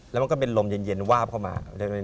แล้วมันก็เป็นลมเย็นวาบเข้ามา